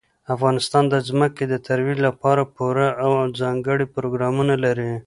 افغانستان د ځمکه د ترویج لپاره پوره او ځانګړي پروګرامونه لري.